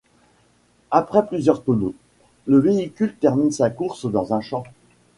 Après plusieurs tonneaux, le véhicule termine sa course dans un champ.